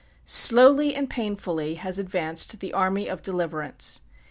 Slowly and painfully has advanced the army of deliverance.